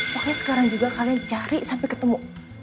pokoknya sekarang juga kalian cari sampai ketemu